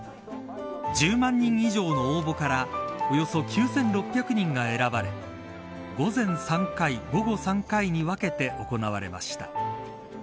１０万人以上の応募からおよそ９６００人が選ばれ午前３回、午後３回に分けて行われました。